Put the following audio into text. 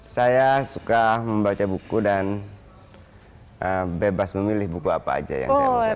saya suka membaca buku dan bebas memilih buku apa aja yang saya ucapkan